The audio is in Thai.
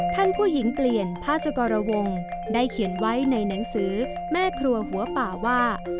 ผู้หญิงเปลี่ยนพาสกรวงได้เขียนไว้ในหนังสือแม่ครัวหัวป่าว่า